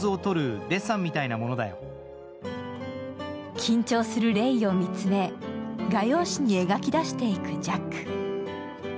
緊張するレイを見つめ、画用紙に描き出していくジャック。